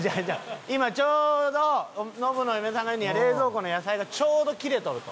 今ちょうどノブの嫁さんが言うには冷蔵庫の野菜がちょうど切れとると。